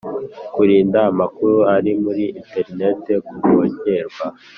kurinda amakuru ari muri interineti kuvogerwa